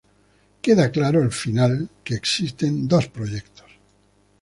Queda claro, al final, que existen dos proyectos.